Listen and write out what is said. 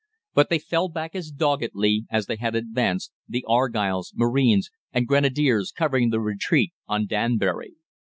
But they fell back as doggedly as they had advanced, the Argylls, Marines, and Grenadiers covering the retreat on Danbury.